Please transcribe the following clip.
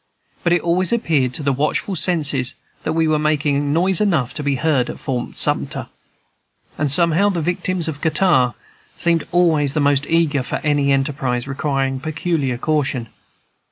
But it always appeared to the watchful senses that we were making noise enough to be heard at Fort Sumter; and somehow the victims of catarrh seemed always the most eager for any enterprise requiring peculiar caution.